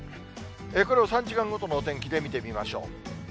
これを３時間ごとのお天気で見てみましょう。